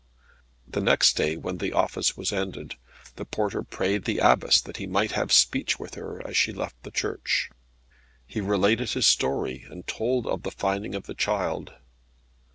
The next day, when the office was ended, the porter prayed the Abbess that he might have speech with her as she left the church. He related his story, and told of the finding of the child.